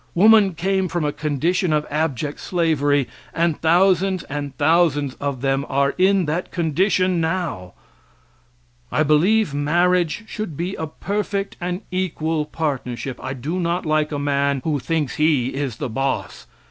Woman came from a condition of abject slavery and thousands and thousands of them are in that condition now. I believe marriage should be a perfect and equal partnership. I do not like a man who thinks he is boss.